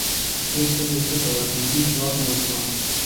زه سترګې کښته واچوم هیڅ ځواب نه ورکوم.